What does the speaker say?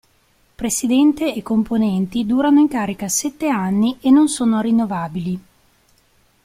Presidente e Componenti durano in carica sette anni e non sono rinnovabili.